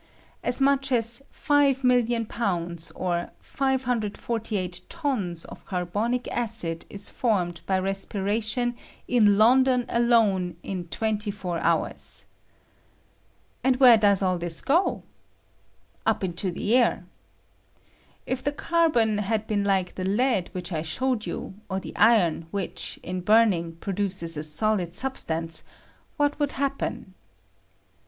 As mucli as 5,000,000 pounds, or 648 tons, of carbonic acid is formed by respira tion in London alone in twenty four hours. And where does all this go? Up into the air. If the carbon had been like the lead which I showed you, or the iron which, in burning, pro duces a solid substance, what would happen?